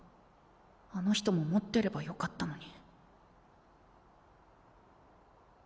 あの人も持ってればよかったのに。